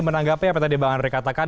menanggapi apa yang tadi bang andre katakan